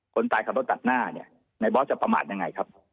คนตายขับรถตัดหน้าเนี่ยในบอสจะประมาทยังไงครับ